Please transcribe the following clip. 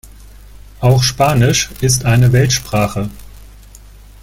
Auch Spanisch ist eine Weltsprache.